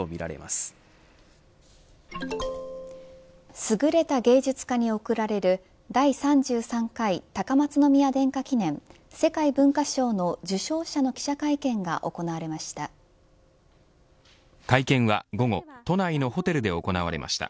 すぐれた芸術家に送られる第３３回高松宮殿下記念世界文化賞の受賞者の記者会見が行われました。